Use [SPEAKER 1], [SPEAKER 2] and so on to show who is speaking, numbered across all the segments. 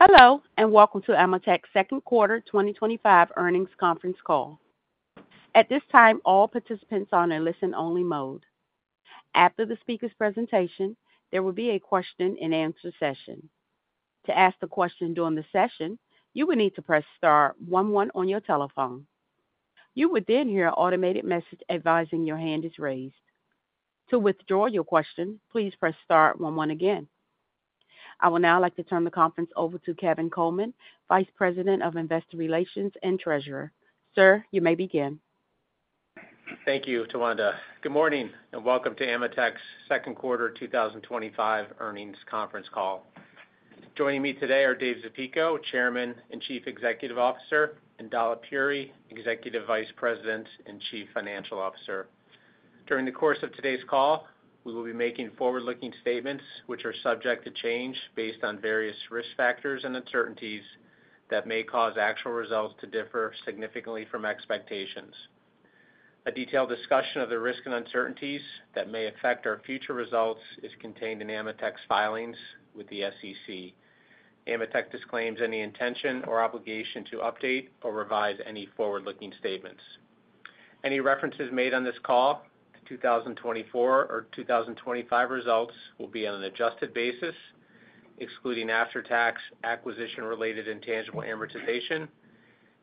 [SPEAKER 1] Hello, and welcome to AMETEK's second quarter 2025 earnings conference call. At this time, all participants are on a listen-only mode. After the speaker's presentation, there will be a question-and-answer session. To ask a question during the session, you will need to press star one one on your telephone. You will then hear an automated message advising your hand is raised. To withdraw your question, please press star one one again. I would now like to turn the conference over to Kevin Coleman, Vice President of Investor Relations and Treasurer. Sir, you may begin.
[SPEAKER 2] Thank you, Tawanda. Good morning and welcome to AMETEK's second quarter 2025 earnings conference call. Joining me today are Dave Zapico, Chairman and Chief Executive Officer, and Dalip Puri, Executive Vice President and Chief Financial Officer. During the course of today's call, we will be making forward-looking statements, which are subject to change based on various risk factors and uncertainties that may cause actual results to differ significantly from expectations. A detailed discussion of the risks and uncertainties that may affect our future results is contained in AMETEK's filings with the SEC. AMETEK disclaims any intention or obligation to update or revise any forward-looking statements. Any references made on this call to 2024 or 2025 results will be on an adjusted basis, excluding after-tax acquisition-related intangible amortization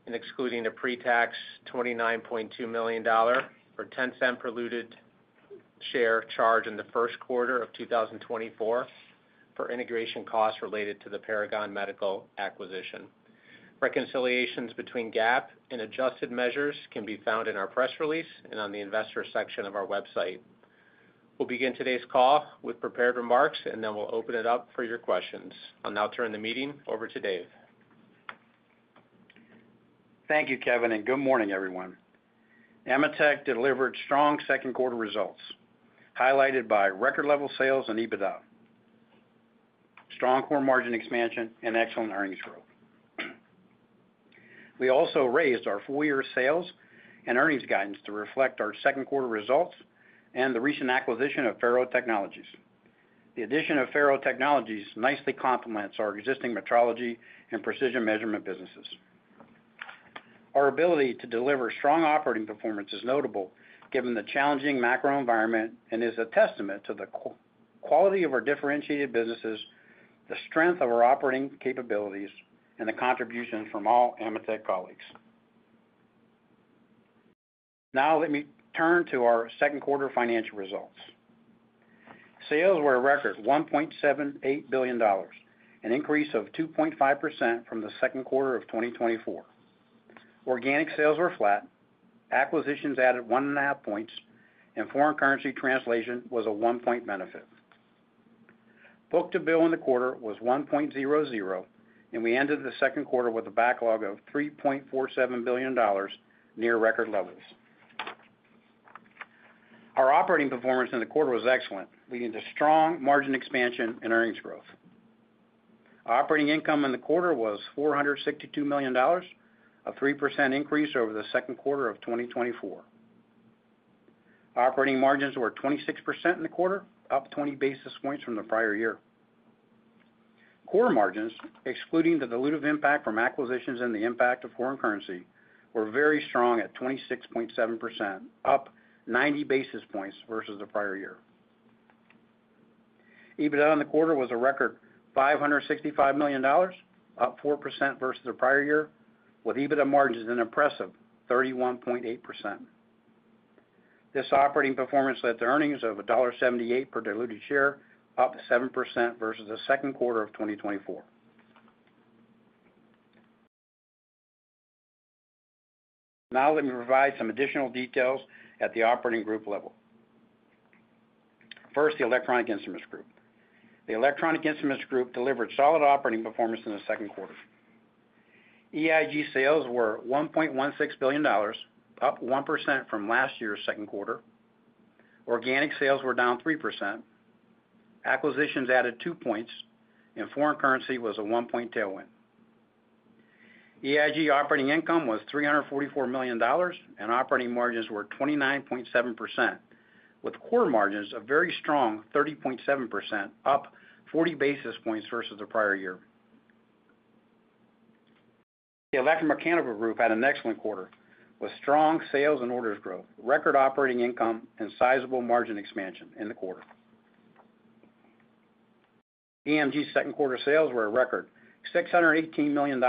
[SPEAKER 2] and excluding a pre-tax $29.2 million, or $0.10 per diluted share charge in the first quarter of 2024 for integration costs related to the Paragon Medical acquisition. Reconciliations between GAAP and adjusted measures can be found in our press release and on the investor section of our website. We'll begin today's call with prepared remarks, and then we'll open it up for your questions. I'll now turn the meeting over to Dave.
[SPEAKER 3] Thank you, Kevin, and good morning, everyone. AMETEK delivered strong second-quarter results highlighted by record-level sales and EBITDA, strong core margin expansion, and excellent earnings growth. We also raised our full-year sales and earnings guidance to reflect our second-quarter results and the recent acquisition of FARO Technologies. The addition of FARO Technologies nicely complements our existing metrology and precision measurement businesses. Our ability to deliver strong operating performance is notable given the challenging macro environment and is a testament to the quality of our differentiated businesses, the strength of our operating capabilities, and the contributions from all AMETEK colleagues. Now let me turn to our second-quarter financial results. Sales were a record $1.78 billion, an increase of 2.5% from the second quarter of 2024. Organic sales were flat, acquisitions added 1.5 points, and foreign currency translation was a 1-point benefit. Book to bill in the quarter was 1.00, and we ended the second quarter with a backlog of $3.47 billion, near record levels. Our operating performance in the quarter was excellent, leading to strong margin expansion and earnings growth. Operating income in the quarter was $462 million, a 3% increase over the second quarter of 2024. Operating margins were 26% in the quarter, up 20 basis points from the prior year. Core margins, excluding the dilutive impact from acquisitions and the impact of foreign currency, were very strong at 26.7%, up 90 basis points versus the prior year. EBITDA in the quarter was a record $565 million, up 4% versus the prior year, with EBITDA margins an impressive 31.8%. This operating performance led to earnings of $1.78 per diluted share, up 7% versus the second quarter of 2024. Now let me provide some additional details at the operating group level. First, the Electronic Instruments Group. The Electronic Instruments Group delivered solid operating performance in the second quarter. EIG sales were $1.16 billion, up 1% from last year's second quarter. Organic sales were down 3%. Acquisitions added 2 points, and foreign currency was a 1-point tailwind. EIG operating income was $344 million, and operating margins were 29.7%, with core margins a very strong 30.7%, up 40 basis points versus the prior year. The Electromechanical Group had an excellent quarter with strong sales and orders growth, record operating income, and sizable margin expansion in the quarter. EMG's second quarter sales were a record $618 million,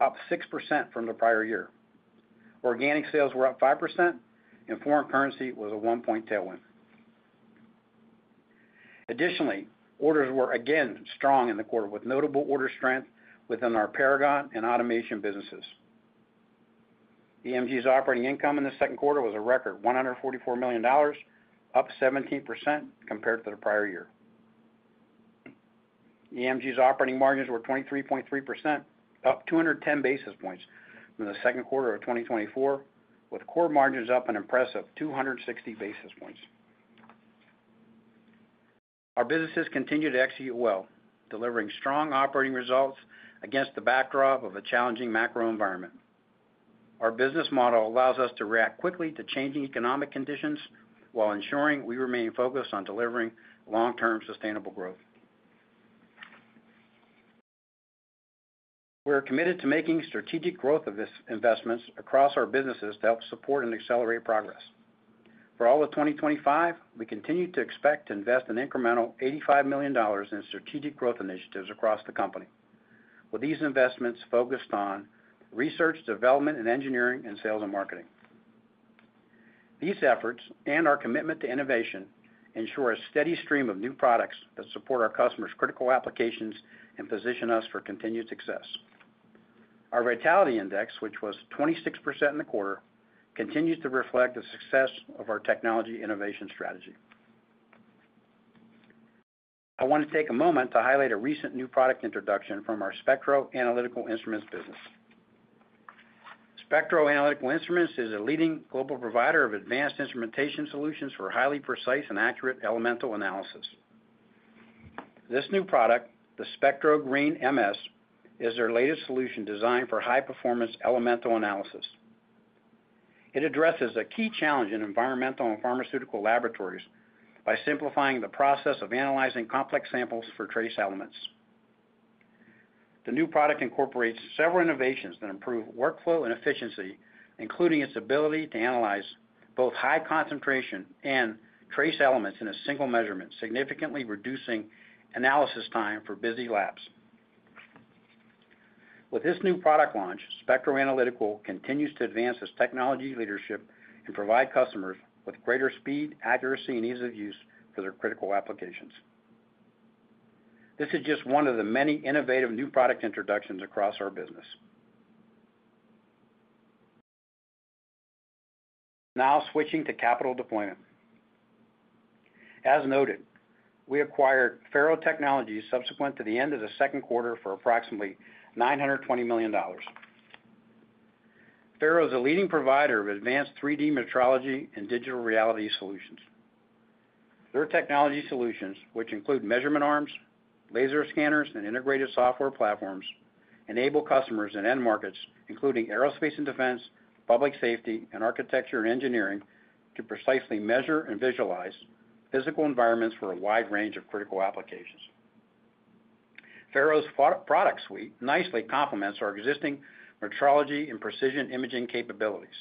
[SPEAKER 3] up 6% from the prior year. Organic sales were up 5%, and foreign currency was a 1-point tailwind. Additionally, orders were again strong in the quarter with notable order strength within our Paragon and automation businesses. EMG's operating income in the second quarter was a record $144 million, up 17% compared to the prior year. EMG's operating margins were 23.3%, up 210 basis points from the second quarter of 2024, with core margins up an impressive 260 basis points. Our businesses continue to execute well, delivering strong operating results against the backdrop of a challenging macro environment. Our business model allows us to react quickly to changing economic conditions while ensuring we remain focused on delivering long-term sustainable growth. We're committed to making strategic growth of these investments across our businesses to help support and accelerate progress. For all of 2025, we continue to expect to invest an incremental $85 million in strategic growth initiatives across the company, with these investments focused on research, development, and engineering and sales and marketing. These efforts and our commitment to innovation ensure a steady stream of new products that support our customers' critical applications and position us for continued success. Our vitality index, which was 26% in the quarter, continues to reflect the success of our technology innovation strategy. I want to take a moment to highlight a recent new product introduction from our SPECTRO Analytical Instruments business. SPECTRO Analytical Instruments is a leading global provider of advanced instrumentation solutions for highly precise and accurate elemental analysis. This new product, the SPECTROGREEN MS, is their latest solution designed for high-performance elemental analysis. It addresses a key challenge in environmental and pharmaceutical laboratories by simplifying the process of analyzing complex samples for trace elements. The new product incorporates several innovations that improve workflow and efficiency, including its ability to analyze both high concentration and trace elements in a single measurement, significantly reducing analysis time for busy labs. With this new product launch, SPECTRO Analytical continues to advance its technology leadership and provide customers with greater speed, accuracy, and ease of use for their critical applications. This is just one of the many innovative new product introductions across our business. Now switching to capital deployment. As noted, we acquired FARO Technologies subsequent to the end of the second quarter for approximately $920 million. FARO is a leading provider of advanced 3D metrology and digital reality solutions. Their technology solutions, which include measurement arms, laser scanners, and integrated software platforms, enable customers in end markets including aerospace and defense, public safety, and architecture and engineering to precisely measure and visualize physical environments for a wide range of critical applications. FARO's product suite nicely complements our existing metrology and precision imaging capabilities,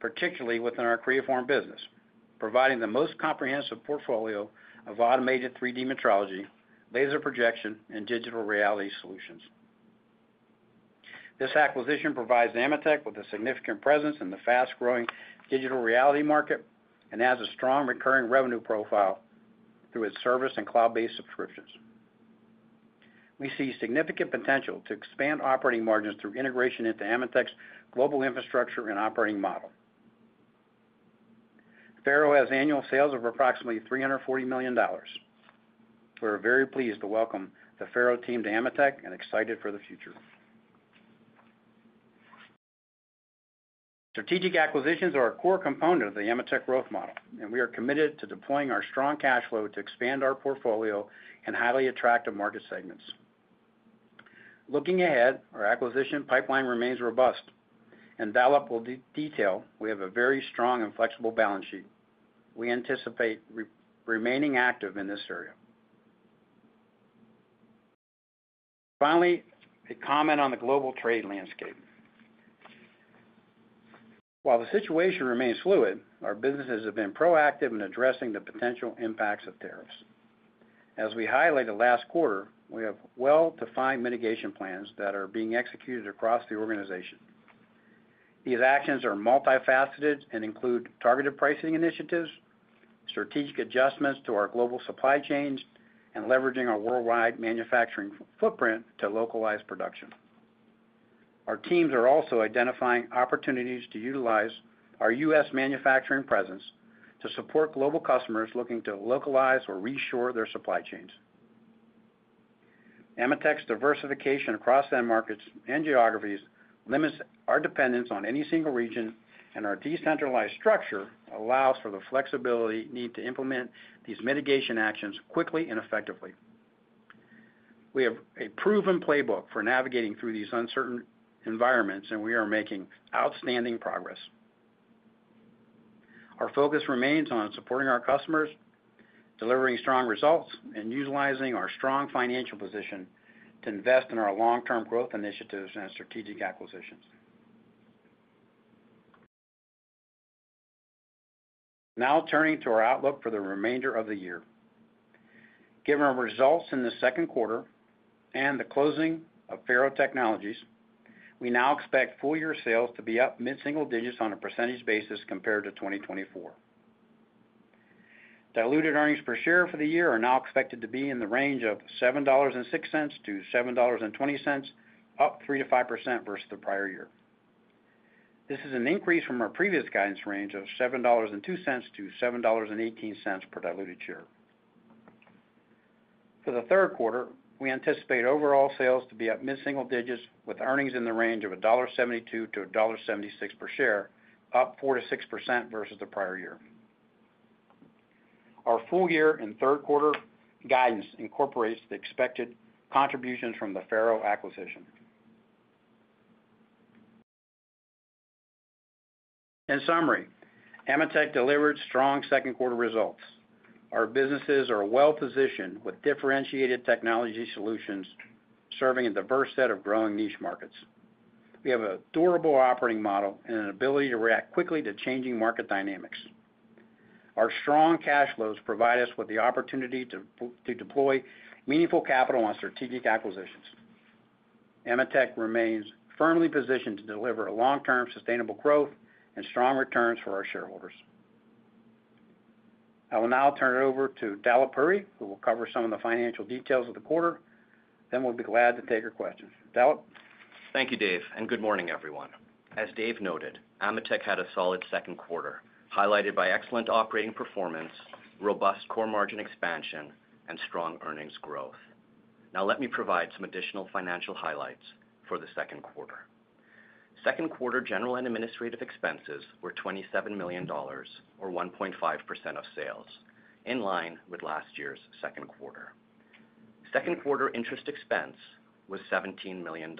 [SPEAKER 3] particularly within our Creaform business, providing the most comprehensive portfolio of automated 3D metrology, laser projection, and digital reality solutions. This acquisition provides AMETEK with a significant presence in the fast-growing digital reality market and has a strong recurring revenue profile through its service and cloud-based subscriptions. We see significant potential to expand operating margins through integration into AMETEK's global infrastructure and operating model. FARO has annual sales of approximately $340 million. We're very pleased to welcome the FARO team to AMETEK and excited for the future. Strategic acquisitions are a core component of the AMETEK growth model, and we are committed to deploying our strong cash flow to expand our portfolio in highly attractive market segments. Looking ahead, our acquisition pipeline remains robust, and Dalip will give detail. We have a very strong and flexible balance sheet. We anticipate remaining active in this area. Finally, a comment on the global trade landscape. While the situation remains fluid, our businesses have been proactive in addressing the potential impacts of tariffs. As we highlighted last quarter, we have well-defined mitigation plans that are being executed across the organization. These actions are multifaceted and include targeted pricing initiatives, strategic adjustments to our global supply chains, and leveraging our worldwide manufacturing footprint to localize production. Our teams are also identifying opportunities to utilize our U.S. manufacturing presence to support global customers looking to localize or reshore their supply chains. AMETEK's diversification across end markets and geographies limits our dependence on any single region, and our decentralized structure allows for the flexibility needed to implement these mitigation actions quickly and effectively. We have a proven playbook for navigating through these uncertain environments, and we are making outstanding progress. Our focus remains on supporting our customers, delivering strong results, and utilizing our strong financial position to invest in our long-term growth initiatives and strategic acquisitions. Now turning to our outlook for the remainder of the year. Given our results in the second quarter and the closing of FARO Technologies, we now expect full-year sales to be up mid-single digits on a percentage basis compared to 2024. Diluted earnings per share for the year are now expected to be in the range of $7.06-$7.20, up 3%-5% versus the prior year. This is an increase from our previous guidance range of $7.02-$7.18 per diluted share. For the third quarter, we anticipate overall sales to be up mid-single digits with earnings in the range of $1.72-$1.76 per share, up 4%-6% versus the prior year. Our full-year and third-quarter guidance incorporates the expected contributions from the FARO acquisition. In summary, AMETEK delivered strong second-quarter results. Our businesses are well-positioned with differentiated technology solutions serving a diverse set of growing niche markets. We have a durable operating model and an ability to react quickly to changing market dynamics. Our strong cash flows provide us with the opportunity to deploy meaningful capital on strategic acquisitions. AMETEK remains firmly positioned to deliver long-term sustainable growth and strong returns for our shareholders. I will now turn it over to Dalip Puri, who will cover some of the financial details of the quarter. Then we'll be glad to take your questions. Dalip.
[SPEAKER 4] Thank you, Dave, and good morning, everyone. As Dave noted, AMETEK had a solid second quarter highlighted by excellent operating performance, robust core margin expansion, and strong earnings growth. Now let me provide some additional financial highlights for the second quarter. Second-quarter general and administrative expenses were $27 million, or 1.5% of sales, in line with last year's second quarter. Second-quarter interest expense was $17 million.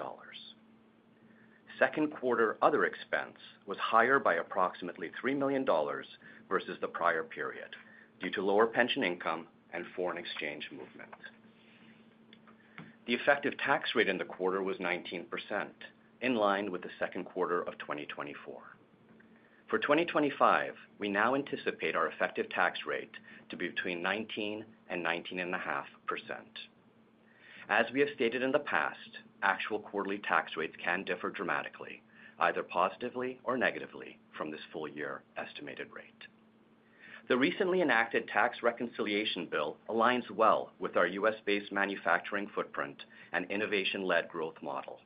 [SPEAKER 4] Second-quarter other expense was higher by approximately $3 million versus the prior period due to lower pension income and foreign exchange movement. The effective tax rate in the quarter was 19%, in line with the second quarter of 2024. For 2025, we now anticipate our effective tax rate to be between 19% and 19.5%. As we have stated in the past, actual quarterly tax rates can differ dramatically, either positively or negatively, from this full-year estimated rate. The recently enacted tax reconciliation bill aligns well with our U.S.-based manufacturing footprint and innovation-led growth model.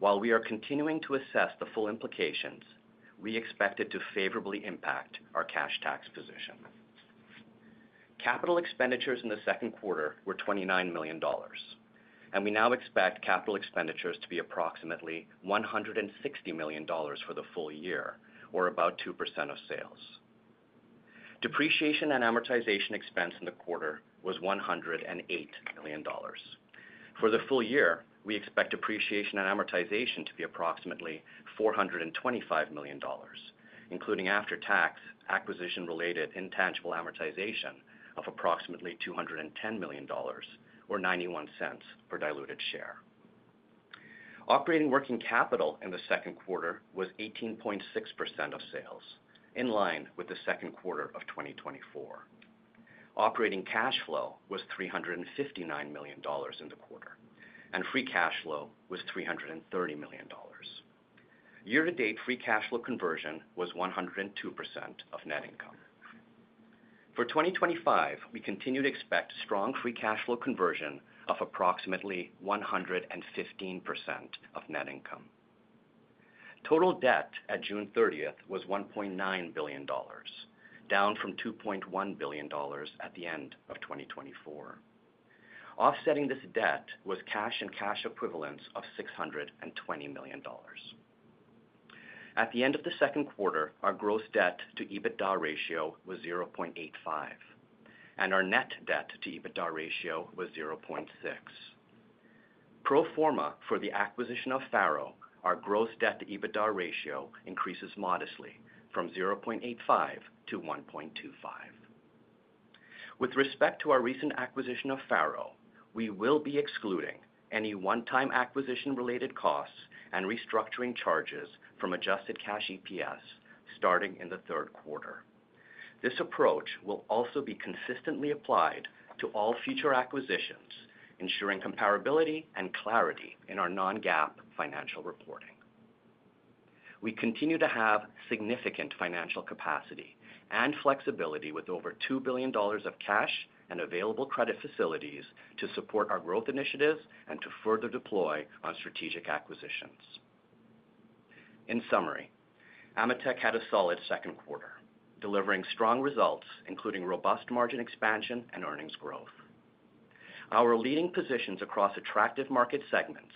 [SPEAKER 4] While we are continuing to assess the full implications, we expect it to favorably impact our cash tax position. Capital expenditures in the second quarter were $29 million, and we now expect capital expenditures to be approximately $160 million for the full year, or about 2% of sales. Depreciation and amortization expense in the quarter was $108 million. For the full year, we expect depreciation and amortization to be approximately $425 million, including after-tax acquisition-related intangible amortization of approximately $210 million, or $0.91 per diluted share. Operating working capital in the second quarter was 18.6% of sales, in line with the second quarter of 2024. Operating cash flow was $359 million in the quarter, and free cash flow was $330 million. Year-to-date free cash flow conversion was 102% of net income. For 2025, we continue to expect strong free cash flow conversion of approximately 115% of net income. Total debt at June 30th was $1.9 billion, down from $2.1 billion at the end of 2024. Offsetting this debt was cash and cash equivalents of $620 million. At the end of the second quarter, our gross debt to EBITDA ratio was 0.85, and our net debt to EBITDA ratio was 0.6. Pro forma for the acquisition of FARO, our gross debt to EBITDA ratio increases modestly from 0.85-1.25. With respect to our recent acquisition of FARO, we will be excluding any one-time acquisition-related costs and restructuring charges from adjusted cash EPS starting in the third quarter. This approach will also be consistently applied to all future acquisitions, ensuring comparability and clarity in our non-GAAP financial reporting. We continue to have significant financial capacity and flexibility with over $2 billion of cash and available credit facilities to support our growth initiatives and to further deploy our strategic acquisitions. In summary, AMETEK had a solid second quarter, delivering strong results, including robust margin expansion and earnings growth. Our leading positions across attractive market segments,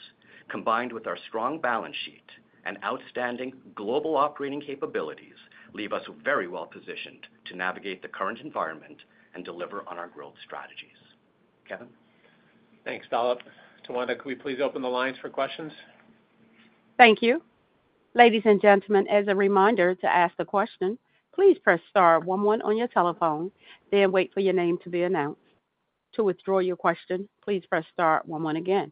[SPEAKER 4] combined with our strong balance sheet and outstanding global operating capabilities, leave us very well positioned to navigate the current environment and deliver on our growth strategies. Kevin.
[SPEAKER 2] Thanks, Dalip. Tawanda, could we please open the lines for questions?
[SPEAKER 1] Thank you. Ladies and gentlemen, as a reminder to ask the question, please press star one one on your telephone, then wait for your name to be announced. To withdraw your question, please press star one one again.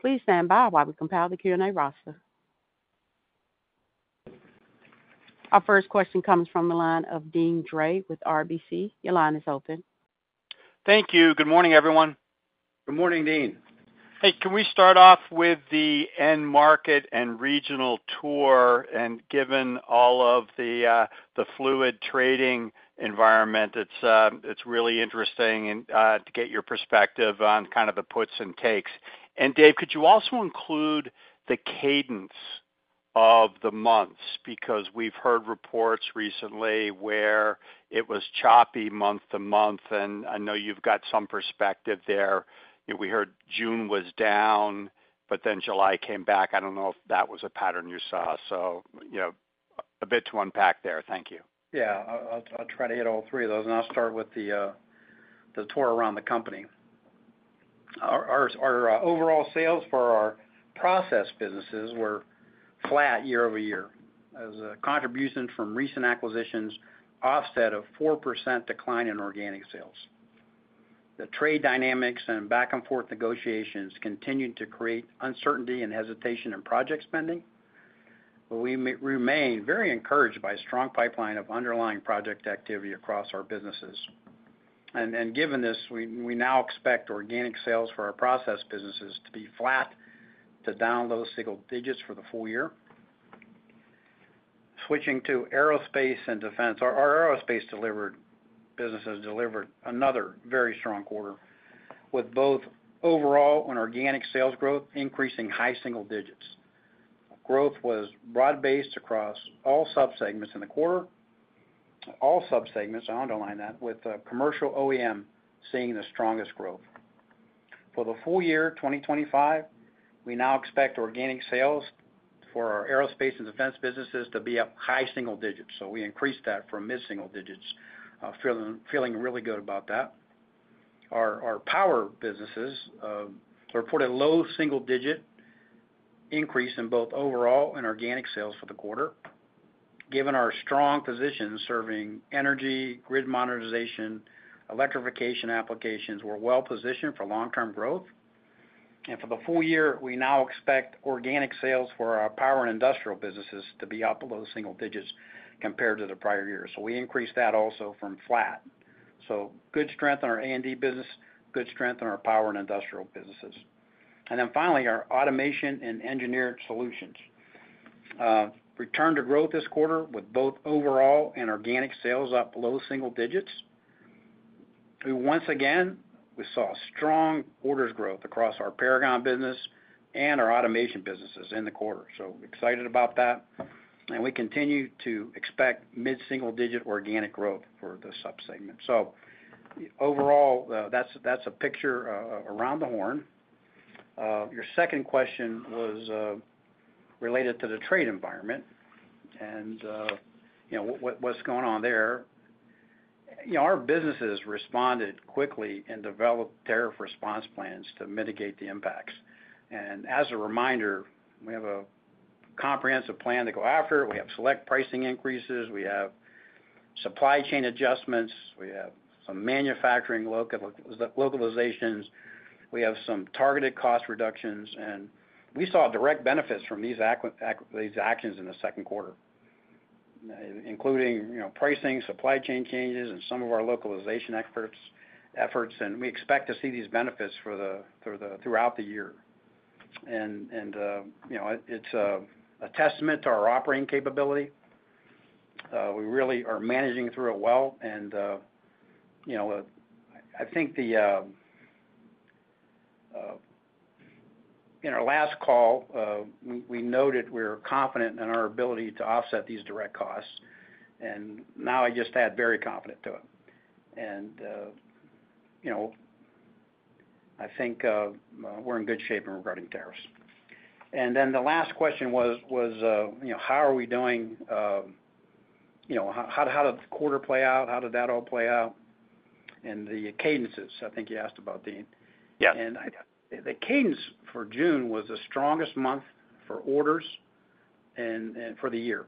[SPEAKER 1] Please stand by while we compile the Q&A roster. Our first question comes from the line of Deane Dray with RBC. Your line is open.
[SPEAKER 5] Thank you. Good morning, everyone.
[SPEAKER 3] Good morning, Deane.
[SPEAKER 5] Hey, can we start off with the end market and regional tour? Given all of the fluid trading environment, it's really interesting to get your perspective on kind of the puts and takes. Dave, could you also include the cadence of the months? We've heard reports recently where it was choppy month to month, and I know you've got some perspective there. We heard June was down, but then July came back. I don't know if that was a pattern you saw. A bit to unpack there. Thank you.
[SPEAKER 3] I'll try to hit all three of those, and I'll start with the tour around the company. Our overall sales for our process businesses were flat year-over-year, as a contribution from recent acquisitions offset a 4% decline in organic sales. The trade dynamics and back-and-forth negotiations continued to create uncertainty and hesitation in project spending. We remain very encouraged by a strong pipeline of underlying project activity across our businesses. Given this, we now expect organic sales for our process businesses to be flat to down low single digits for the full year. Switching to aerospace and defense, our aerospace businesses delivered another very strong quarter, with both overall and organic sales growth increasing high single digits. Growth was broad-based across all subsegments in the quarter. All subsegments underline that, with commercial OEM seeing the strongest growth. For the full year 2025, we now expect organic sales for our aerospace and defense businesses to be up high single digits. We increased that from mid-single digits, feeling really good about that. Our power businesses. Reported a low single-digit increase in both overall and organic sales for the quarter. Given our strong position serving energy, grid modernization, and electrification applications, we're well-positioned for long-term growth. For the full year, we now expect organic sales for our power and industrial businesses to be up below single digits compared to the prior year. We increased that also from flat. Good strength in our A&D business, good strength in our power and industrial businesses. Finally, our automation and engineered solutions returned to growth this quarter with both overall and organic sales up below single digits. Once again, we saw strong orders growth across our Paragon business and our automation businesses in the quarter. Excited about that. We continue to expect mid-single-digit organic growth for the subsegment. Overall, that's a picture around the horn. Your second question was related to the trade environment and what's going on there. Our businesses responded quickly and developed tariff response plans to mitigate the impacts. As a reminder, we have a comprehensive plan to go after it. We have select pricing increases, supply chain adjustments, some manufacturing localizations, and some targeted cost reductions. We saw direct benefits from these actions in the second quarter, including pricing, supply chain changes, and some of our localization efforts. We expect to see these benefits throughout the year. It's a testament to our operating capability. We really are managing through it well. I think in our last call, we noted we're confident in our ability to offset these direct costs. Now I just add very confident to it. I think we're in good shape regarding tariffs. The last question was how are we doing, how did the quarter play out, how did that all play out, and the cadences I think you asked about, Deane. The cadence for June was the strongest month for orders and for the year.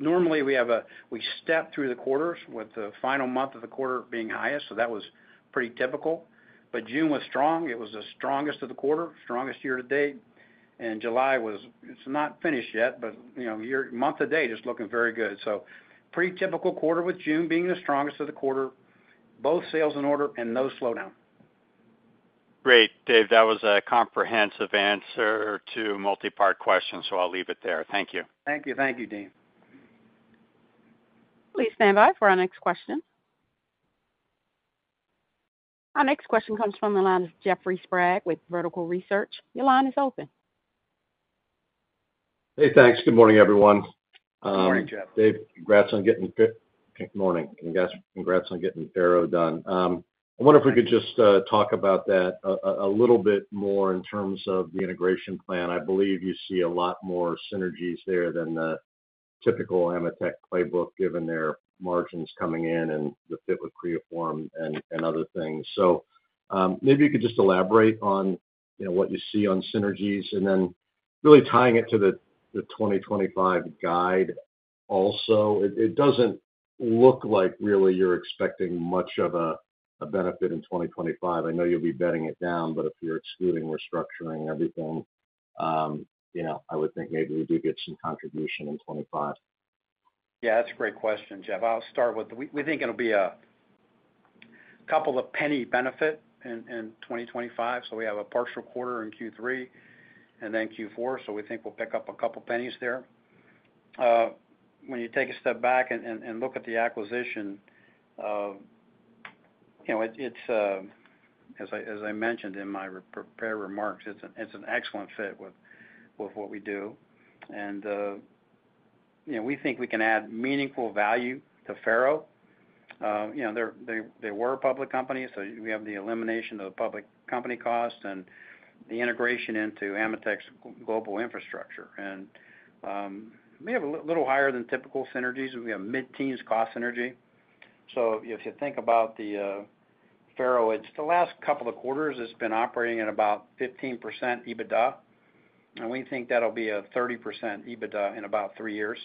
[SPEAKER 3] Normally, we step through the quarters with the final month of the quarter being highest. That was pretty typical. June was strong. It was the strongest of the quarter, strongest year to date. July is not finished yet, but month-to-date is looking very good. Pretty typical quarter with June being the strongest of the quarter, both sales and order and no slowdown.
[SPEAKER 5] Great. Dave, that was a comprehensive answer to multi-part questions, so I'll leave it there. Thank you.
[SPEAKER 3] Thank you. Thank you, Deane.
[SPEAKER 1] Please stand by for our next question. Our next question comes from the line of Jeffrey Sprague with Vertical Research. Your line is open.
[SPEAKER 6] Hey, thanks. Good morning, everyone.
[SPEAKER 3] Good morning, Jeff.
[SPEAKER 6] Dave, congrats on getting—good morning. Congrats on getting FARO done. I wonder if we could just talk about that a little bit more in terms of the integration plan. I believe you see a lot more synergies there than the typical AMETEK playbook, given their margins coming in and the fit with Creaform and other things. Maybe you could just elaborate on what you see on synergies and then really tying it to the 2025 guide also. It doesn't look like really you're expecting much of a benefit in 2025. I know you'll be bedding it down, but if you're excluding restructuring and everything. I would think maybe we do get some contribution in 2025.
[SPEAKER 3] Yeah, that's a great question, Jeff. I'll start with—we think it'll be a couple of penny benefits in 2025. We have a partial quarter in Q3 and then Q4. We think we'll pick up a couple of pennies there. When you take a step back and look at the acquisition, as I mentioned in my prepared remarks, it's an excellent fit with what we do. We think we can add meaningful value to FARO. They were a public company, so we have the elimination of the public company cost and the integration into AMETEK's global infrastructure. We have a little higher than typical synergies. We have mid-teens cost synergy. If you think about FARO, the last couple of quarters it's been operating at about 15% EBITDA. We think that'll be a 30% EBITDA in about three years.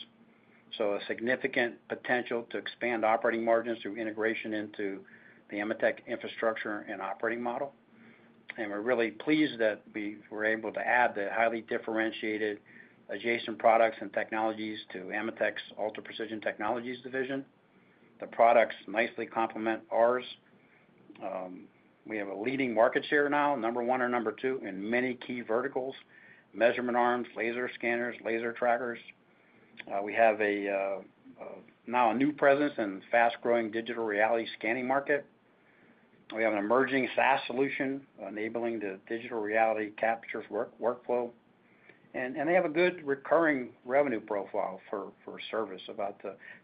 [SPEAKER 3] There is significant potential to expand operating margins through integration into the AMETEK infrastructure and operating model. We're really pleased that we were able to add the highly differentiated adjacent products and technologies to AMETEK's ultra-precision technologies division. The products nicely complement ours. We have a leading market share now, number one or number two, in many key verticals: measurement arms, laser scanners, laser trackers. We now have a new presence in the fast-growing digital reality scanning market. We have an emerging SaaS solution enabling the digital reality capture workflow. They have a good recurring revenue profile for service, about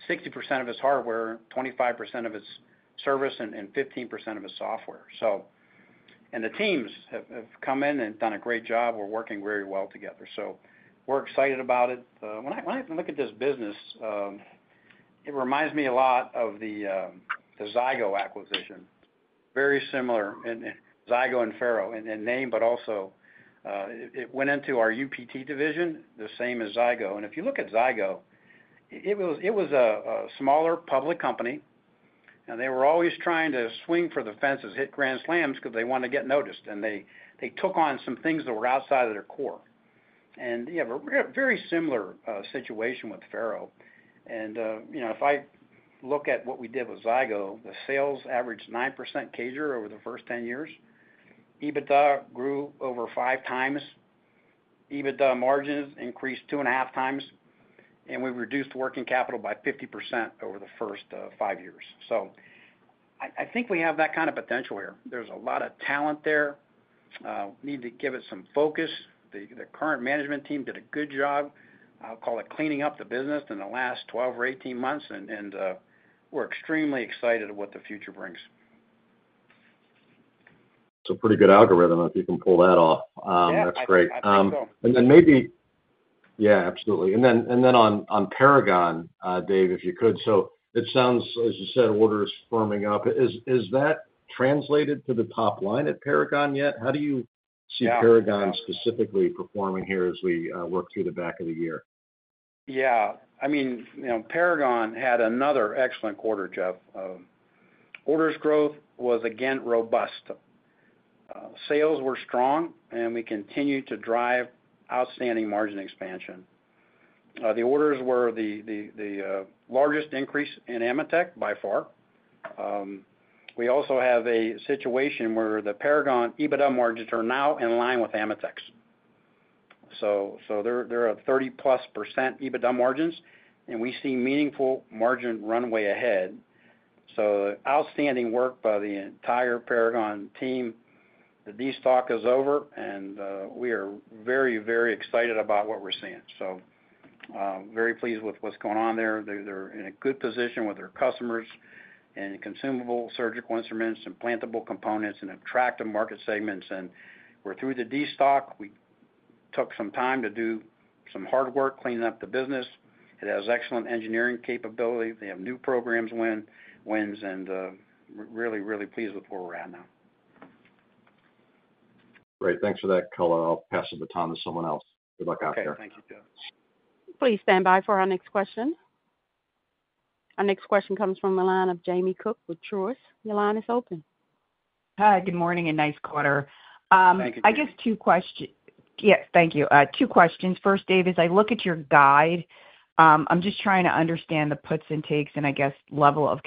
[SPEAKER 3] 60% of its hardware, 25% of its service, and 15% of its software. The teams have come in and done a great job. We're working very well together. We're excited about it. When I look at this business, it reminds me a lot of the Zygo acquisition. Very similar in Zygo and FARO in name, but also it went into our UPT division, the same as Zygo. If you look at Zygo, it was a smaller public company. They were always trying to swing for the fences, hit grand slams because they wanted to get noticed. They took on some things that were outside of their core. You have a very similar situation with FARO. If I look at what we did with Zygo, the sales averaged 9% CAGR over the first 10 years. EBITDA grew over 5x. EBITDA margins increased 2.5x. We reduced working capital by 50% over the first five years. I think we have that kind of potential where there's a lot of talent there. We need to give it some focus. The current management team did a good job, I'll call it cleaning up the business in the last 12 or 18 months. We're extremely excited at what the future brings.
[SPEAKER 6] It's a pretty good algorithm if you can pull that off. Maybe, absolutely. On Paragon, Dave, if you could. It sounds, as you said, orders firming up. Has that translated to the top line at Paragon yet? How do you see Paragon specifically performing here as we work through the back of the year?
[SPEAKER 3] Yeah. Paragon had another excellent quarter, Jeff. Orders growth was, again, robust. Sales were strong, and we continued to drive outstanding margin expansion. The orders were the largest increase in AMETEK by far. We also have a situation where the Paragon EBITDA margins are now in line with AMETEK's. There are 30%+ EBITDA margins, and we see meaningful margin runway ahead. Outstanding work by the entire Paragon team. The destock is over, and we are very, very excited about what we're seeing. Very pleased with what's going on there. They're in a good position with their customers and consumable surgical instruments and implantable components and attractive market segments. We're through the destock. We took some time to do some hard work cleaning up the business. It has excellent engineering capability. They have new program wins. We're really, really pleased with where we're at now.
[SPEAKER 6] Great. Thanks for that color. I'll pass the baton to someone else. Good luck out there.
[SPEAKER 3] Okay. Thank you, Jeff.
[SPEAKER 1] Please stand by for our next question. Our next question comes from the line of Jamie Cook with Truist. Your line is open.
[SPEAKER 7] Hi. Good morning and nice quarter.
[SPEAKER 3] Thank you.
[SPEAKER 7] I guess two questions, thank you. Two questions. First, David, as I look at your guide, I'm just trying to understand the puts and takes and, I guess, level of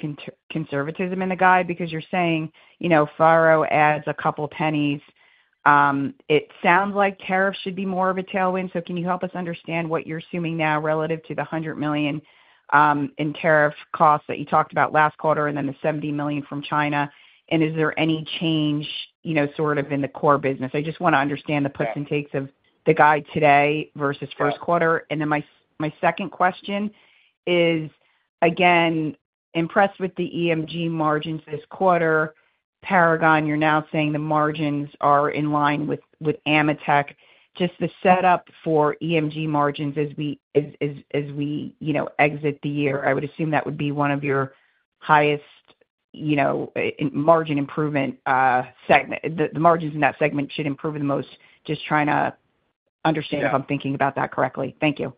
[SPEAKER 7] conservatism in the guide because you're saying FARO adds a couple of pennies. It sounds like tariffs should be more of a tailwind. Can you help us understand what you're assuming now relative to the $100 million in tariff costs that you talked about last quarter and then the $70 million from China? Is there any change in the core business? I just want to understand the puts and takes of the guide today versus first quarter. My second question is, again, impressed with the EMG margins this quarter, Paragon, you're now saying the margins are in line with AMETEK. The setup for EMG margins as we exit the year, I would assume that would be one of your highest margin improvement segments. The margins in that segment should improve the most. Just trying to understand if I'm thinking about that correctly. Thank you.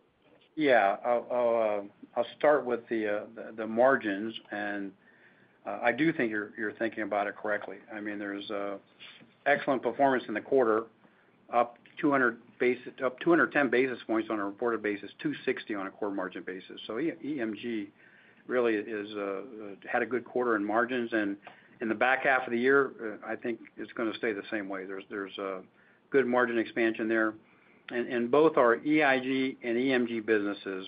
[SPEAKER 3] Yeah. I'll start with the margins. I do think you're thinking about it correctly. There's excellent performance in the quarter, up 210 basis points on a reported basis, 260 on a core margin basis. EMG really had a good quarter in margins. In the back half of the year, I think it's going to stay the same way. There's good margin expansion there. Both our EIG and EMG businesses'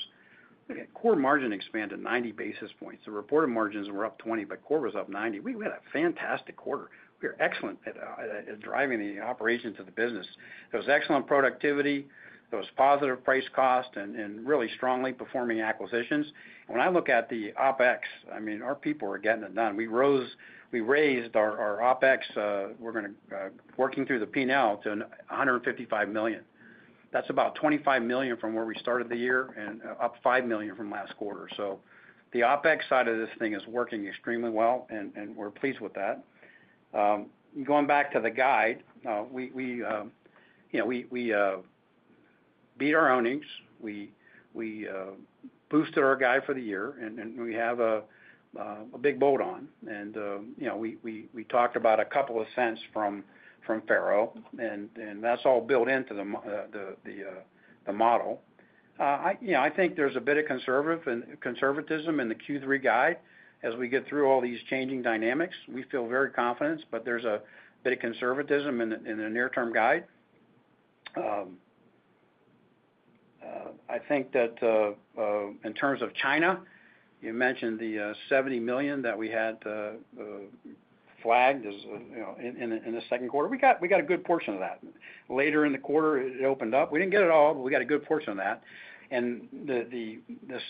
[SPEAKER 3] core margin expanded 90 basis points. The reported margins were up 20, but core was up 90. We had a fantastic quarter. We were excellent at driving the operations of the business. There was excellent productivity. There was positive price cost and really strongly performing acquisitions. When I look at the OpEx, our people are getting it done. We raised our OpEx. We're working through the P&L to $155 million. That's about $25 million from where we started the year and up $5 million from last quarter. The OpEx side of this thing is working extremely well, and we're pleased with that. Going back to the guide, we beat our earnings. We boosted our guide for the year, and we have a big boat on. We talked about a couple of cents from FARO, and that's all built into the model. I think there's a bit of conservatism in the Q3 guide. As we get through all these changing dynamics, we feel very confident, but there's a bit of conservatism in the near-term guide. I think that. In terms of China, you mentioned the $70 million that we had flagged in the second quarter. We got a good portion of that. Later in the quarter, it opened up. We didn't get it all, but we got a good portion of that. The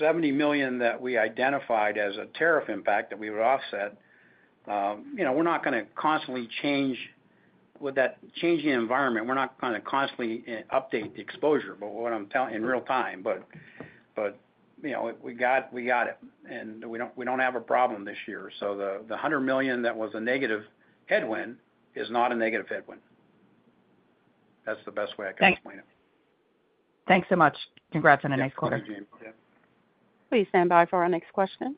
[SPEAKER 3] $70 million that we identified as a tariff impact that we would offset, we're not going to constantly change with that changing environment. We're not going to constantly update the exposure in real time. We got it. We don't have a problem this year. The $100 million that was a negative headwind is not a negative headwind. That's the best way I can explain it.
[SPEAKER 7] Thanks so much. Congrats on a nice quarter.
[SPEAKER 3] Thank you, Jamie.
[SPEAKER 1] Please stand by for our next question.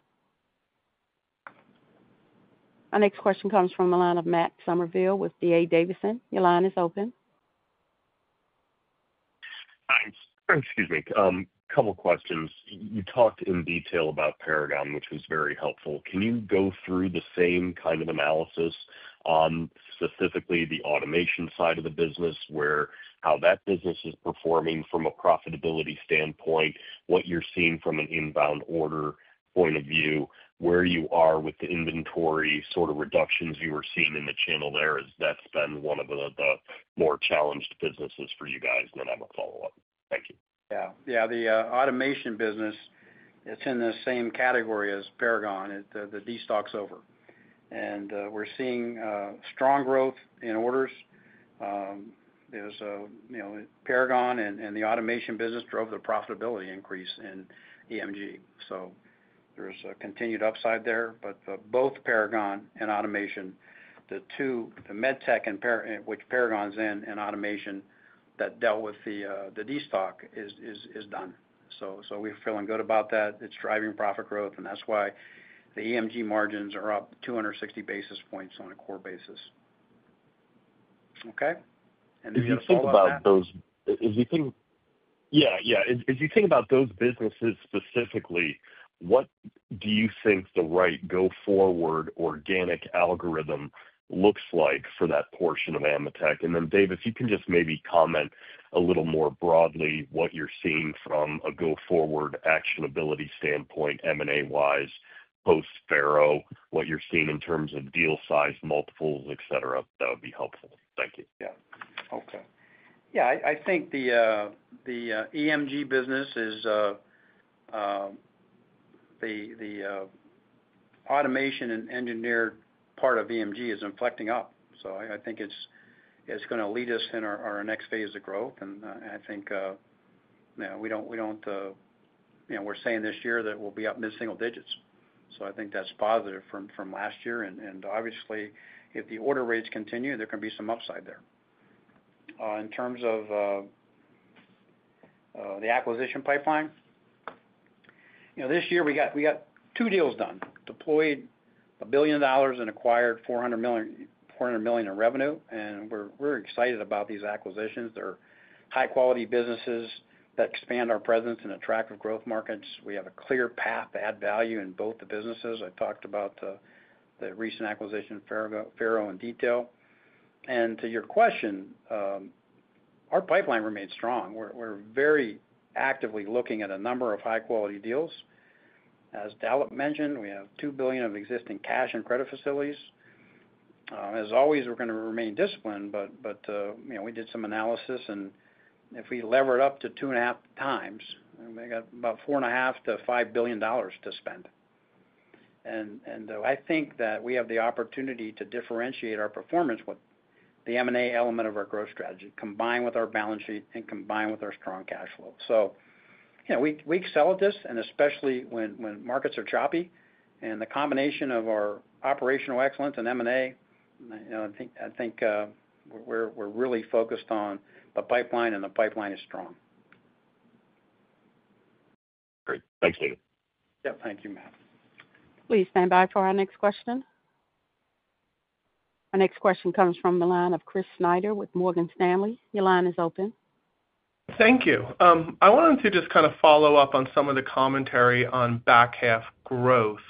[SPEAKER 1] Our next question comes from the line of Matt Summerville with D.A. Davidson. Your line is open.
[SPEAKER 8] Excuse me. A couple of questions. You talked in detail about Paragon, which was very helpful. Can you go through the same kind of analysis on specifically the automation side of the business, how that business is performing from a profitability standpoint, what you're seeing from an inbound order point of view, where you are with the inventory sort of reductions you were seeing in the channel there? Has that been one of the more challenged businesses for you guys? I have a follow-up. Thank you.
[SPEAKER 3] Yeah. The automation business, it's in the same category as Paragon. The destock's over. We're seeing strong growth in orders. Paragon and the automation business drove the profitability increase in EMG. There's a continued upside there. Both Paragon and automation, the two, the MedTech, which Paragon's in, and automation that dealt with the destock is done. We're feeling good about that. It's driving profit growth. That's why the EMG margins are up 260 basis points on a core basis. Okay? You have a follow-up.
[SPEAKER 8] Yeah. As you think about those businesses specifically, what do you think the right go-forward organic algorithm looks like for that portion of AMETEK? David, if you can just maybe comment a little more broadly what you're seeing from a go-forward actionability standpoint, M&A-wise, post-FARO, what you're seeing in terms of deal size multiples, etc., that would be helpful. Thank you. Yeah. Okay.
[SPEAKER 3] Yeah. I think the. EMG business is. The automation and engineered part of EMG is inflecting up. I think it's going to lead us in our next phase of growth. I think we don't. We're saying this year that we'll be up in the single digits. I think that's positive from last year. Obviously, if the order rates continue, there can be some upside there. In terms of the acquisition pipeline, this year, we got two deals done, deployed $1 billion, and acquired $400 million in revenue. We're excited about these acquisitions. They're high-quality businesses that expand our presence in attractive growth markets. We have a clear path to add value in both the businesses. I talked about the recent acquisition of FARO Technologies in detail. To your question, our pipeline remains strong. We're very actively looking at a number of high-quality deals. As Dalip mentioned, we have $2 billion of existing cash and credit facilities. As always, we're going to remain disciplined, but we did some analysis. If we lever it up to 2.5x, we got about $4.5-$5 billion to spend. I think that we have the opportunity to differentiate our performance with the M&A element of our growth strategy, combined with our balance sheet and combined with our strong cash flow. We excel at this, especially when markets are choppy. The combination of our operational excellence and M&A, I think we're really focused on the pipeline, and the pipeline is strong.
[SPEAKER 8] Great. Thanks, Dave.
[SPEAKER 3] Yep. Thank you, Matt.
[SPEAKER 1] Please stand by for our next question. Our next question comes from the line of Chris Snyder with Morgan Stanley. Your line is open.
[SPEAKER 9] Thank you. I wanted to just kind of follow up on some of the commentary on back half growth.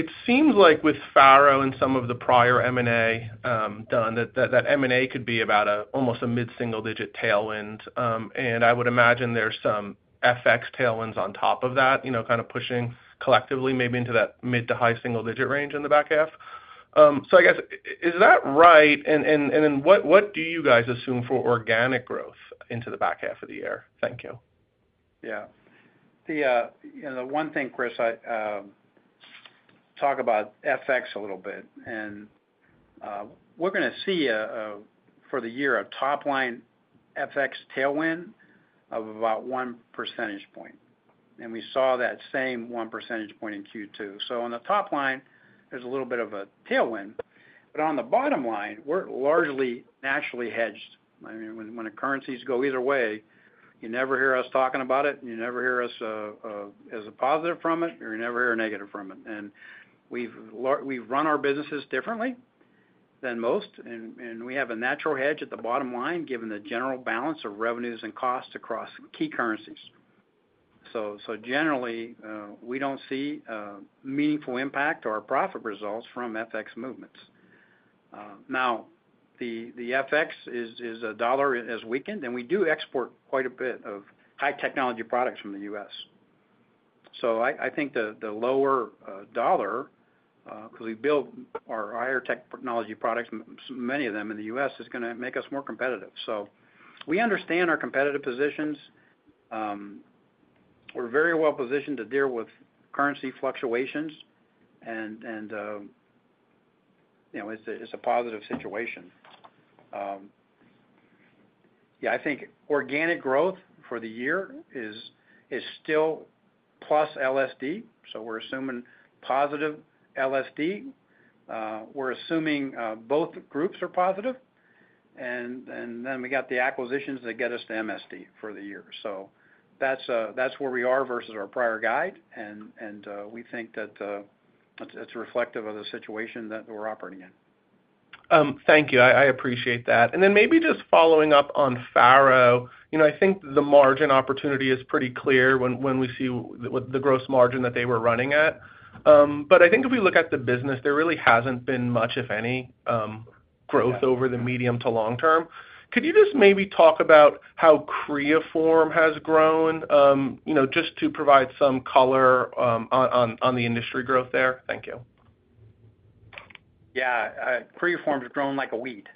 [SPEAKER 9] It seems like with FARO and some of the prior M&A done, that M&A could be about almost a mid-single-digit tailwind. I would imagine there's some FX tailwinds on top of that, kind of pushing collectively maybe into that mid to high single digit range in the back half. I guess, is that right? What do you guys assume for organic growth into the back half of the year? Thank you.
[SPEAKER 3] Yeah. The one thing, Chris, I talk about FX a little bit. We're going to see for the year a top-line FX tailwind of about one percentage point. We saw that same one percentage point in Q2. On the top line, there's a little bit of a tailwind, but on the bottom line, we're largely naturally hedged. I mean, when the currencies go either way, you never hear us talking about it, and you never hear us as a positive from it, or you never hear a negative from it. We've run our businesses differently than most, and we have a natural hedge at the bottom line given the general balance of revenues and costs across key currencies. Generally, we don't see a meaningful impact or profit results from FX movements. Now, the FX is, is the dollar has weakened, and we do export quite a bit of high-technology products from the U.S. I think the lower dollar, because we build our higher-technology products, many of them in the U.S., is going to make us more competitive. We understand our competitive positions. We're very well-positioned to deal with currency fluctuations. It's a positive situation. I think organic growth for the year is still plus LSD. We're assuming positive LSD. We're assuming both groups are positive, and then we got the acquisitions that get us to MSD for the year. That's where we are versus our prior guide, and we think that it's reflective of the situation that we're operating in.
[SPEAKER 9] Thank you. I appreciate that. Maybe just following up on FARO, I think the margin opportunity is pretty clear when we see the gross margin that they were running at. If we look at the business, there really hasn't been much, if any, growth over the medium to long term. Could you just maybe talk about how Creaform has grown, just to provide some color on the industry growth there? Thank you.
[SPEAKER 3] Creaform has grown like a weed.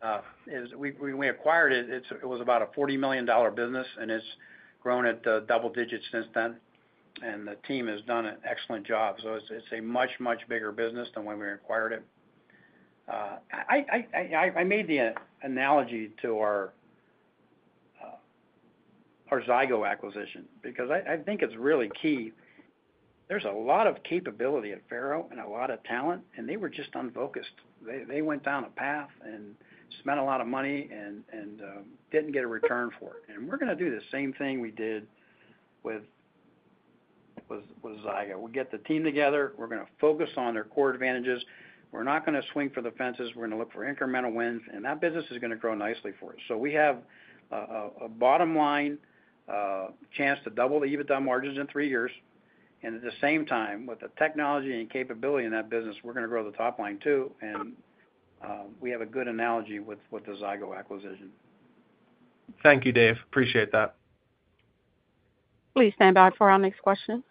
[SPEAKER 3] When we acquired it, it was about a $40 million business, and it's grown at double digits since then. The team has done an excellent job, so it's a much, much bigger business than when we acquired it. I made the analogy to our Zygo acquisition because I think it's really key. There's a lot of capability at FARO and a lot of talent, and they were just unfocused. They went down a path and spent a lot of money and didn't get a return for it. We're going to do the same thing we did with Zygo. We get the team together, we're going to focus on their core advantages, we're not going to swing for the fences, we're going to look for incremental wins, and that business is going to grow nicely for us. We have a bottom-line chance to double the EBITDA margins in three years, and at the same time, with the technology and capability in that business, we're going to grow the top line too. We have a good analogy with the Zygo acquisition.
[SPEAKER 9] Thank you, Dave. Appreciate that.
[SPEAKER 1] Please stand by for our next question.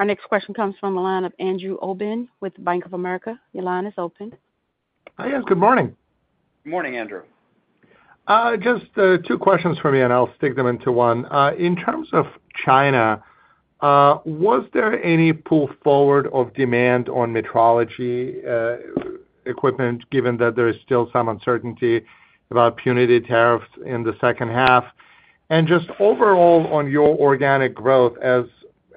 [SPEAKER 1] Our next question comes from the line of Andrew Obin with Bank of America. Your line is open.
[SPEAKER 10] Hi. Good morning.
[SPEAKER 3] Good morning, Andrew.
[SPEAKER 10] Just two questions for me, and I'll stick them into one. In terms of China, was there any pull forward of demand on metrology equipment, given that there is still some uncertainty about punitive tariffs in the second half? Just overall, on your organic growth, as,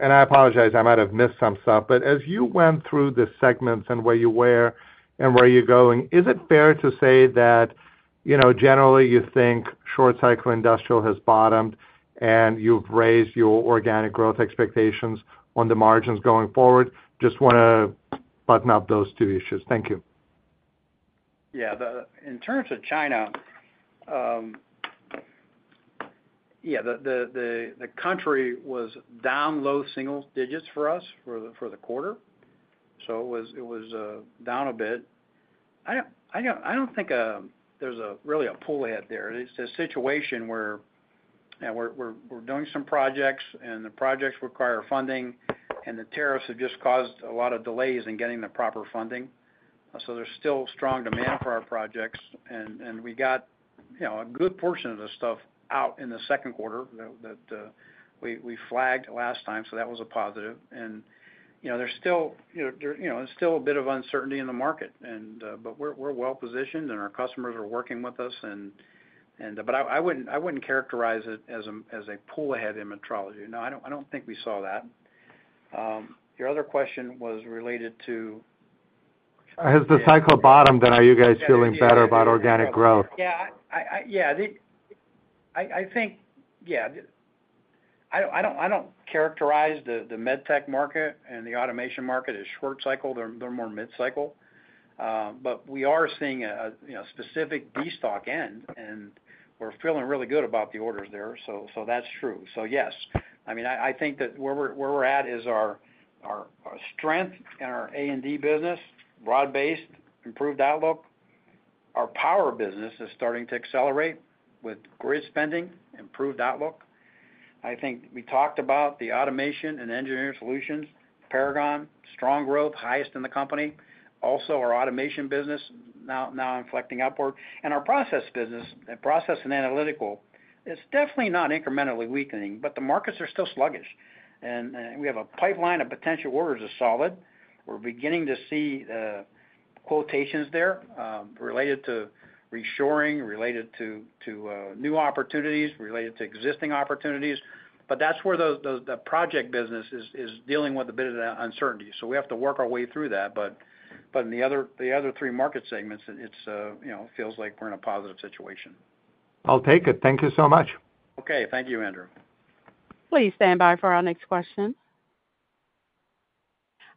[SPEAKER 10] and I apologize, I might have missed some stuff. As you went through the segments and where you were and where you're going, is it fair to say that generally you think short-cycle industrial has bottomed and you've raised your organic growth expectations on the margins going forward? Just want to button up those two issues. Thank you.
[SPEAKER 3] Yeah. In terms of China, the country was down low single digits for us for the quarter. It was down a bit. I don't think there's really a pull ahead there. It's a situation where we're doing some projects, and the projects require funding, and the tariffs have just caused a lot of delays in getting the proper funding. There's still strong demand for our projects, and we got a good portion of the stuff out in the second quarter that we flagged last time. That was a positive. There's still a bit of uncertainty in the market, but we're well-positioned, and our customers are working with us. I wouldn't characterize it as a pull ahead in metrology. No, I don't think we saw that. Your other question was related to.
[SPEAKER 10] Has the cycle bottomed, are you guys feeling better about organic growth?
[SPEAKER 3] Yeah. I think, yeah. I don't characterize the MedTech market and the automation market as short-cycle. They're more mid-cycle. We are seeing a specific destock end, and we're feeling really good about the orders there. That's true. Yes, I think that where we're at is our strength in our A&D business, broad-based, improved outlook. Our power business is starting to accelerate with grid spending, improved outlook. I think we talked about the automation and engineering solutions, Paragon, strong growth, highest in the company. Also, our automation business now inflecting upward. Our process business, process and analytical, it's definitely not incrementally weakening, but the markets are still sluggish. We have a pipeline of potential orders that's solid. We're beginning to see quotations there related to reshoring, related to new opportunities, related to existing opportunities. That's where the project business is dealing with a bit of uncertainty. We have to work our way through that. In the other three market segments, it feels like we're in a positive situation.
[SPEAKER 10] I'll take it. Thank you so much.
[SPEAKER 3] Okay. Thank you, Andrew.
[SPEAKER 1] Please stand by for our next question.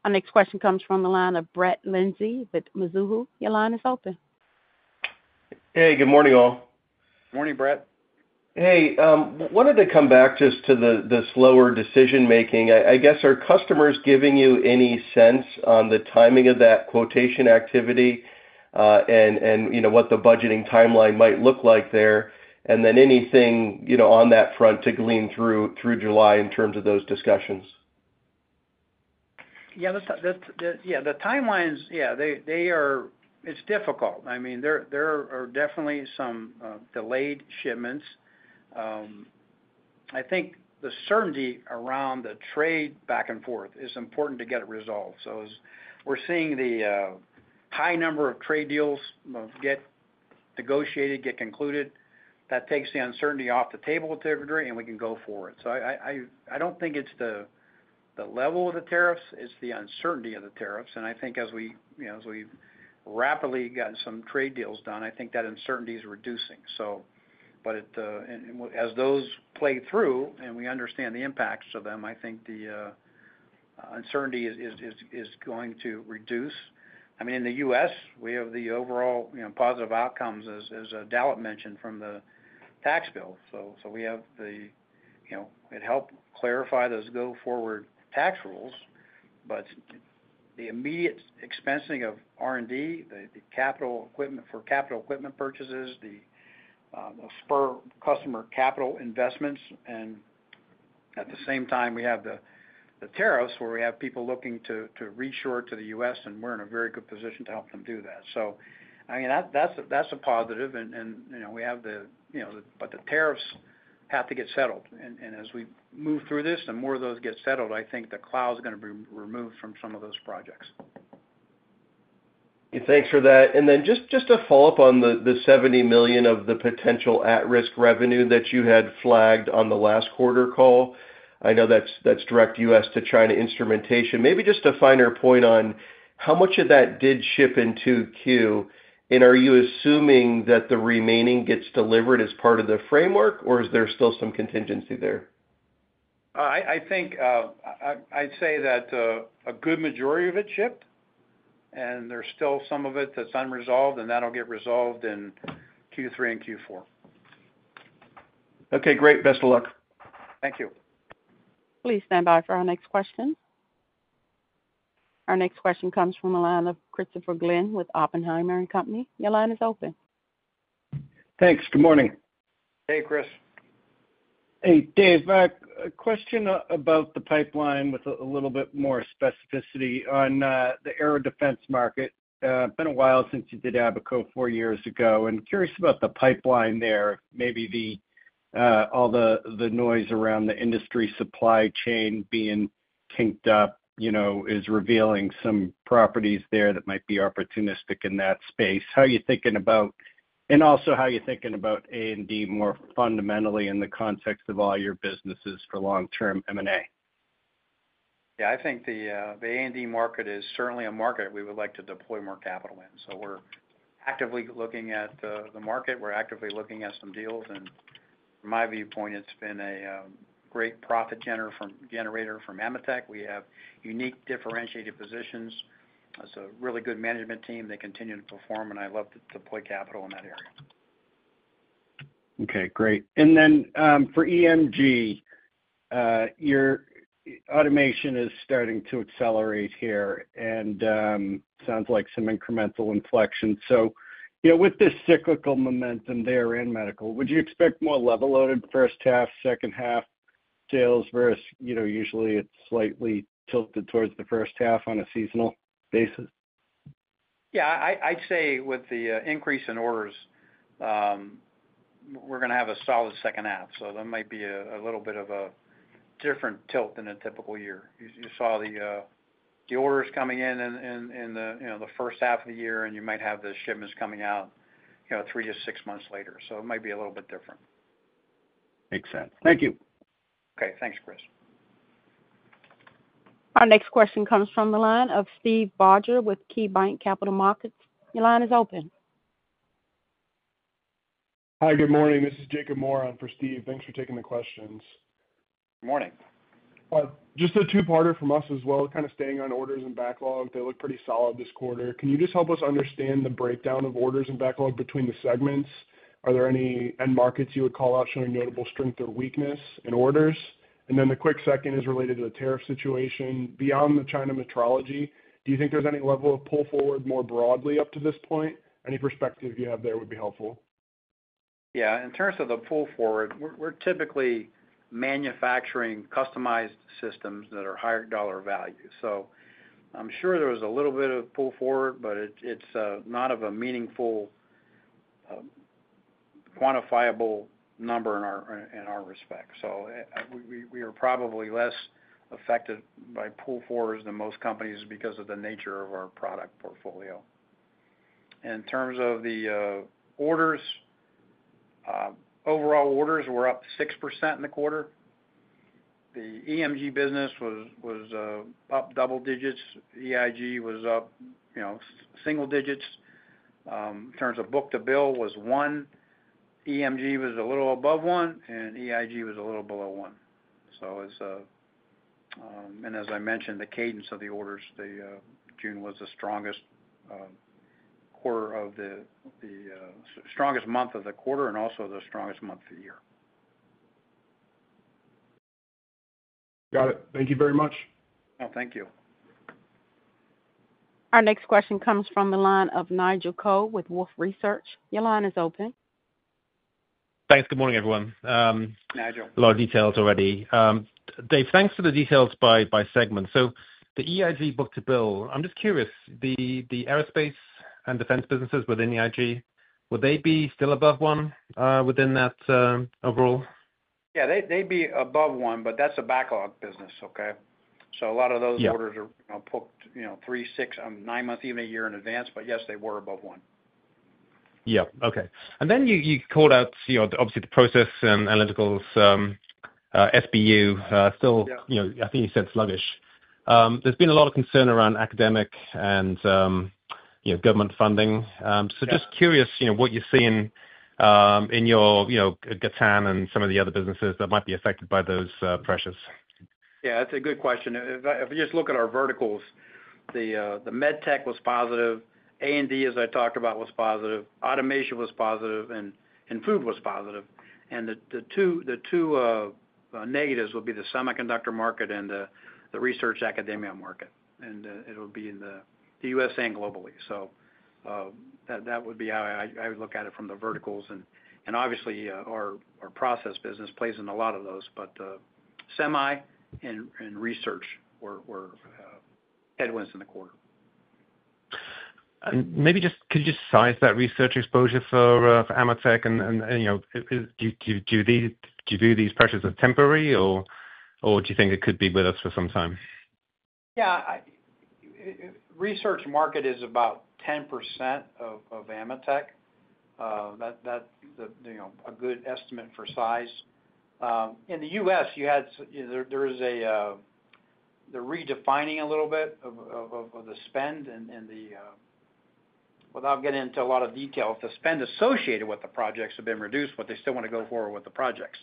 [SPEAKER 1] Our next question comes from the line of Brett Linzey with Mizuho. Your line is open.
[SPEAKER 11] Hey. Good morning, all.
[SPEAKER 3] Morning, Brett.
[SPEAKER 11] Hey. Wanted to come back just to the slower decision-making. I guess are customers giving you any sense on the timing of that quotation activity and what the budgeting timeline might look like there? Anything on that front to glean through July in terms of those discussions?
[SPEAKER 3] Yeah. The timelines, yeah, it's difficult. There are definitely some delayed shipments. I think the certainty around the trade back and forth is important to get it resolved. We're seeing the high number of trade deals get negotiated, get concluded. That takes the uncertainty off the table to a degree, and we can go forward. I don't think it's the level of the tariffs. It's the uncertainty of the tariffs. I think as we've rapidly gotten some trade deals done, that uncertainty is reducing. As those play through and we understand the impacts of them, I think the uncertainty is going to reduce. In the U.S., we have the overall positive outcomes, as Dalip mentioned, from the tax bill. It helped clarify those go-forward tax rules. The immediate expensing of R&D, the capital equipment for capital equipment purchases, spur customer capital investments. At the same time, we have the tariffs where we have people looking to reshore to the U.S., and we're in a very good position to help them do that. That's a positive. The tariffs have to get settled. As we move through this and more of those get settled, I think the cloud is going to be removed from some of those projects.
[SPEAKER 11] Thanks for that. Just to follow up on the $70 million of the potential at-risk revenue that you had flagged on the last quarter call, I know that's direct U.S. to China instrumentation. Maybe just a finer point on how much of that did ship in 2Q. Are you assuming that the remaining gets delivered as part of the framework, or is there still some contingency there?
[SPEAKER 3] I'd say that a good majority of it shipped. There's still some of it that's unresolved, and that'll get resolved in Q3 and Q4.
[SPEAKER 11] Okay. Great. Best of luck.
[SPEAKER 3] Thank you.
[SPEAKER 1] Please stand by for our next question. Our next question comes from the line of Christopher Glynn with Oppenheimer and Company. Your line is open.
[SPEAKER 12] Thanks. Good morning.
[SPEAKER 3] Hey, Chris.
[SPEAKER 12] Hey, Dave. A question about the pipeline with a little bit more specificity on the air defense market. It's been a while since you did Abaco four years ago. I'm curious about the pipeline there. All the noise around the industry supply chain being tanked up is revealing some properties there that might be opportunistic in that space. How are you thinking about, and also how are you thinking about A&D more fundamentally in the context of all your businesses for long-term M&A?
[SPEAKER 3] I think the A&D market is certainly a market we would like to deploy more capital in. We're actively looking at the market. We're actively looking at some deals. From my viewpoint, it's been a great profit generator from AMETEK. We have unique differentiated positions. It's a really good management team that continues to perform, and I love to deploy capital in that area.
[SPEAKER 12] Great. For EMG, your automation is starting to accelerate here, and it sounds like some incremental inflection. With this cyclical momentum there in medical, would you expect more level-loaded first half, second half sales versus usually it's slightly tilted towards the first half on a seasonal basis?
[SPEAKER 3] I'd say with the increase in orders, we're going to have a solid second half. There might be a little bit of a different tilt than a typical year. You saw the orders coming in in the first half of the year, and you might have the shipments coming out three to six months later. It might be a little bit different.
[SPEAKER 12] Makes sense. Thank you.
[SPEAKER 3] Thanks, Chris.
[SPEAKER 1] Our next question comes from the line of Steve Barger with KeyBanc Capital Markets. Your line is open.
[SPEAKER 13] Hi. Good morning. This is Jacob Moore on for Steve. Thanks for taking the questions.
[SPEAKER 3] Good morning.
[SPEAKER 13] Just a two-parter from us as well. Kind of staying on orders and backlog. They look pretty solid this quarter. Can you just help us understand the breakdown of orders and backlog between the segments? Are there any end markets you would call out showing notable strength or weakness in orders? The quick second is related to the tariff situation. Beyond the China metrology, do you think there's any level of pull forward more broadly up to this point? Any perspective you have there would be helpful.
[SPEAKER 3] In terms of the pull forward, we're typically manufacturing customized systems that are higher dollar value. I'm sure there was a little bit of pull forward, but it's not a meaningful, quantifiable number in our respect. We are probably less affected by pull forwards than most companies because of the nature of our product portfolio. In terms of the orders, overall orders, we're up 6% in the quarter. The EMG business was up double digits. EIG was up single digits. In terms of book-to-bill, it was one. EMG was a little above one, and EIG was a little below one. As I mentioned, the cadence of the orders, June was the strongest month of the quarter and also the strongest month of the year.
[SPEAKER 13] Got it. Thank you very much.
[SPEAKER 3] Thank you.
[SPEAKER 1] Our next question comes from the line of Nigel Coe with Wolfe Research. Your line is open.
[SPEAKER 14] Thanks. Good morning, everyone.
[SPEAKER 3] Nigel.
[SPEAKER 14] A lot of details already. Dave, thanks for the details by segment. The EIG book-to -bill, I'm just curious, the aerospace and defense businesses within EIG, would they be still above one within that overall?
[SPEAKER 3] They'd be above one, but that's a backlog business, okay? A lot of those orders are booked three, six, nine months, even a year in advance. Yes, they were above one.
[SPEAKER 14] Okay. You called out, obviously, the process and analyticals SBU still, I think you said sluggish. There's been a lot of concern around academic and government funding. Just curious what you're seeing in your Gatan and some of the other businesses that might be affected by those pressures.
[SPEAKER 3] That's a good question. If you just look at our verticals, the MedTech was positive. A&D, as I talked about, was positive. Automation was positive, and food was positive. The two negatives would be the semiconductor market and the research academia market, and it would be in the U.S. and globally. That would be how I would look at it from the verticals. Obviously, our process business plays in a lot of those, but semi and research were headwinds in the quarter.
[SPEAKER 14] Maybe just could you just size that research exposure for AMETEK? Do you view these pressures as temporary, or do you think it could be with us for some time?
[SPEAKER 3] Yeah. Research market is about 10% of AMETEK. That's a good estimate for size. In the U.S., there is the redefining a little bit of the spend. Without getting into a lot of detail, the spend associated with the projects has been reduced, but they still want to go forward with the projects.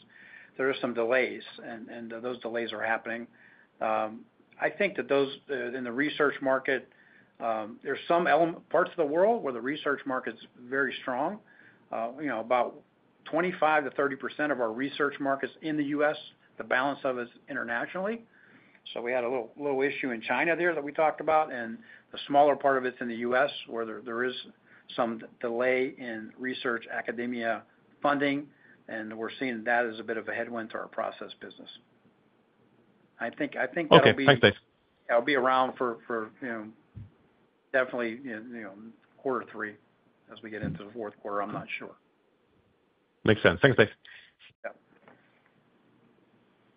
[SPEAKER 3] There are some delays, and those delays are happening. I think that in the research market, there are some parts of the world where the research market's very strong. About 25%-30% of our research market is in the U.S., the balance of it is internationally. We had a little issue in China there that we talked about, and the smaller part of it's in the U.S. where there is some delay in research academia funding. We're seeing that as a bit of a headwind to our process business. I think that'll be okay. Thanks, Dave. That'll be around for definitely quarter three as we get into the fourth quarter. I'm not sure.
[SPEAKER 14] Makes sense. Thanks, Dave.
[SPEAKER 3] Yeah.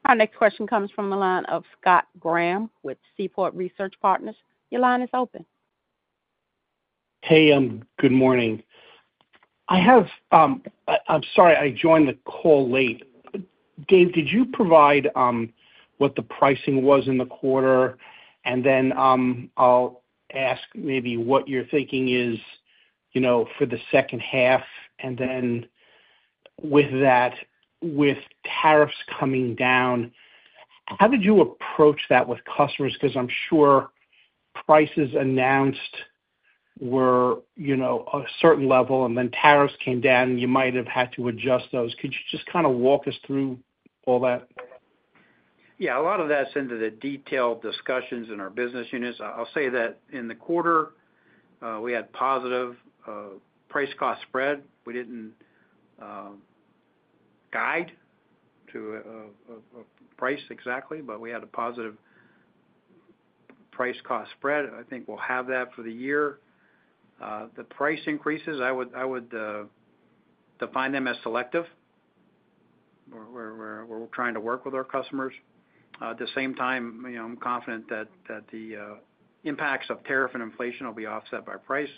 [SPEAKER 1] Our next question comes from the line of Scott Graham with Seaport Research Partners. Your line is open.
[SPEAKER 15] Hey. Good morning. I'm sorry I joined the call late. Dave, did you provide what the pricing was in the quarter? I'll ask maybe what your thinking is for the second half. With that, with tariffs coming down, how did you approach that with customers?
[SPEAKER 3] I'm sure prices announced were a certain level, and then tariffs came down, you might have had to adjust those. Could you just kind of walk us through all that? Yeah. A lot of that's into the detailed discussions in our business units. I'll say that in the quarter, we had positive price-cost spread. We didn't guide to a price exactly, but we had a positive price-cost spread. I think we'll have that for the year. The price increases, I would define them as selective, where we're trying to work with our customers. At the same time, I'm confident that the impacts of tariff and inflation will be offset by price,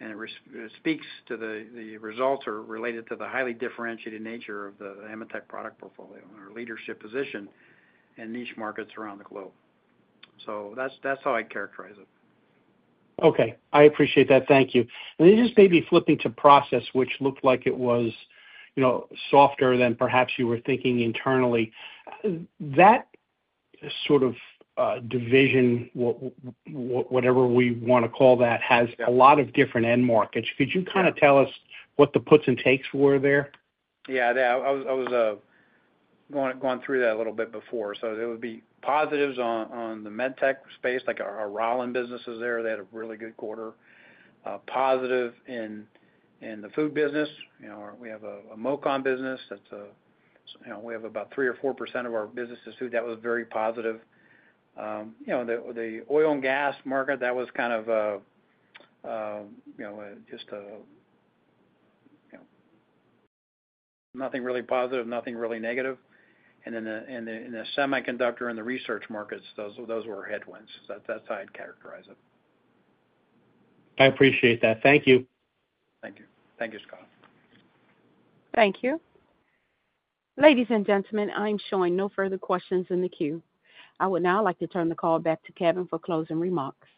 [SPEAKER 3] and it speaks to the results that are related to the highly differentiated nature of the AMETEK product portfolio and our leadership position in niche markets around the globe. That's how I'd characterize it.
[SPEAKER 15] Okay. I appreciate that. Thank you. Maybe flipping to process, which looked like it was softer than perhaps you were thinking internally. That sort of division. Whatever we want to call that, has a lot of different end markets. Could you kind of tell us what the puts and takes were there?
[SPEAKER 3] Yeah. I was going through that a little bit before. There would be positives on the MedTech space. Our Rollins businesses there, they had a really good quarter. Positive in the food business. We have a MOCON business. We have about 3% or 4% of our business is food. That was very positive. The oil and gas market, that was kind of just a nothing really positive, nothing really negative. In the semiconductor and the research markets, those were headwinds. That's how I'd characterize it.
[SPEAKER 15] I appreciate that. Thank you.
[SPEAKER 3] Thank you. Thank you, Scott.
[SPEAKER 1] Thank you. Ladies and gentlemen, I'm showing no further questions in the queue. I would now like to turn the call back to Kevin for closing remarks.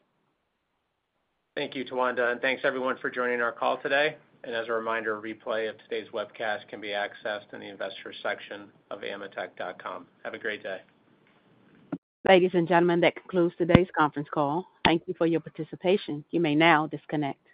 [SPEAKER 2] Thank you, Tawanda. Thanks, everyone, for joining our call today. As a reminder, a replay of today's webcast can be accessed in the investor section of ametek.com. Have a great day.
[SPEAKER 1] Ladies and gentlemen, that concludes today's conference call. Thank you for your participation. You may now disconnect.